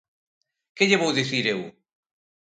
¡Que lle vou dicir eu!